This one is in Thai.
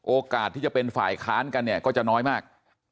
โอกาสที่จะเป็นฝ่ายค้านกันเนี่ยก็จะน้อยมาก